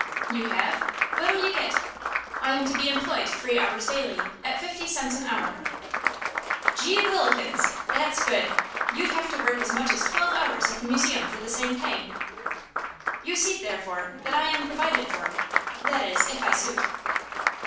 "You have? What'll you get?" "I am to be employed three hours daily, at fifty cents an hour." "Geewhillikens! that's good! You'd have to work as much as twelve hours at the museum for the same pay." "You see, therefore, that I am provided for that is, if I suit."